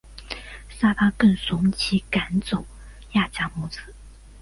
撒拉更怂其赶走夏甲母子。